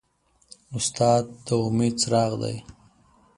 استاد د امید څراغ دی.